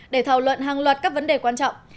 để thảo luận hàng loạt các vấn đề quan trọng